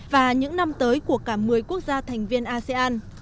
và những năm tới của cả một mươi quốc gia thành viên asean